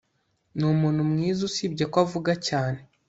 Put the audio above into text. Ni umuntu mwiza usibye ko avuga cyane